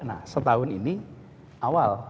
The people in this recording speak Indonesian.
nah setahun ini awal